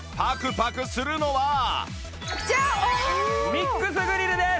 ミックスグリルです。